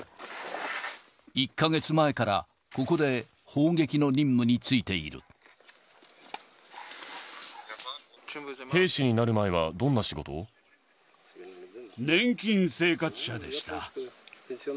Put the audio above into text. １か月前から、ここで砲撃の兵士になる前は、どんな仕事年金生活者でした。